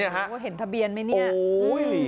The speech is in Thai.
ว่าเห็นทะเบียนไหมเนี่ย